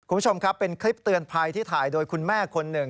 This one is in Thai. คุณผู้ชมครับเป็นคลิปเตือนภัยที่ถ่ายโดยคุณแม่คนหนึ่ง